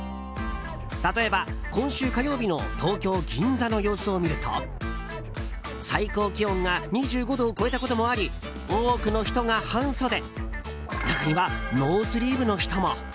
例えば、今週火曜日の東京・銀座の様子を見ると最高気温が２５度を超えたこともあり多くの人が半袖中にはノースリーブの人も。